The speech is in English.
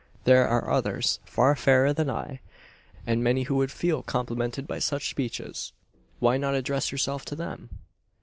There are others, far fairer than I; and many, who would feel complimented by such speeches. Why not address yourself to them?"